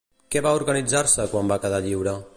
Què va organitzar-se quan va quedar lliure?